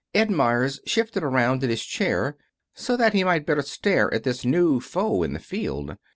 Ed Meyers shifted around in his chair so that he might better stare at this new foe in the field.